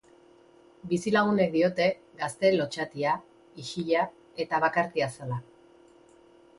Bizilagunek diote gazte lotsatia, isila eta bakartia zela.